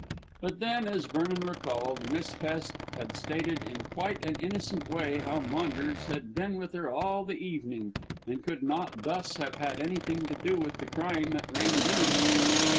But then, as Vernon recalled, Miss Hest had stated in quite an innocent way how Maunders had been with her all the evening and could not thus have had anything to do with the crime at "Rangoon."